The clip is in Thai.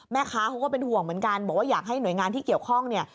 แม่ค้าเขาก็เป็นห่วงเหมือนกันบอกว่าอยากให้หน่วยงานที่เกี่ยวข้องเนี่ย